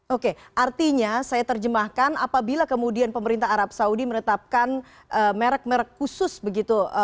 oke artinya saya terjemahkan apabila kemudian pemerintah arab saudi menetapkan merek merek khusus begitu